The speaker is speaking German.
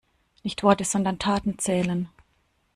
Nicht Worte, sondern Taten zählen.